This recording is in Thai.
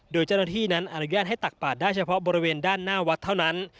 โดยเจ้าหน้าที่นั้นอนุญาตให้ตักบาดได้เฉพาะบริเวณด้านหน้าวัดเท่านั้น